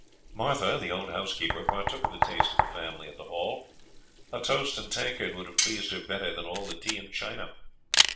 Martha, the old housekeeper, partook of the taste of the family at the Hall. A toast and tankard would have pleased her better than all the tea in China.